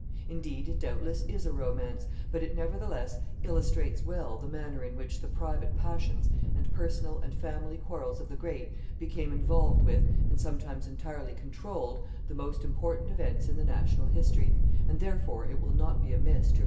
Indeed, it doubtless is a romance, but it nevertheless illustrates well the manner in which the private passions and personal and family quarrels of the great became involved with, and sometimes entirely controlled, the most important events in the national history, and therefore it will not be amiss to relate it.